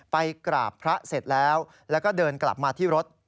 ไปกราบพระเสร็จแล้วแล้วก็เดินกลับมาที่รถ